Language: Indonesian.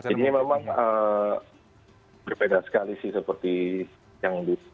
ini memang berbeda sekali sih seperti yang di